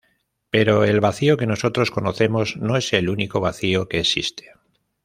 Pero el vacío que nosotros conocemos no es el único vacío que existe.